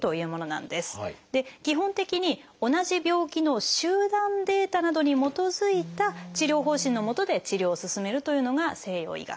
基本的に同じ病気の集団データなどに基づいた治療方針のもとで治療を進めるというのが西洋医学です。